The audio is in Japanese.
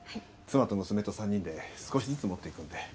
妻と娘と３人で少しずつ持っていくんで。